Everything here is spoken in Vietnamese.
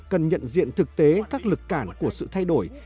cần nhận diện thực tế các lực cản của sự thay đổi